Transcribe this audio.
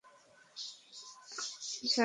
কত চাস তুই?